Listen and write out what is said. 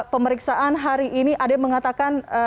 pemeriksaan hari ini ada yang mengatakan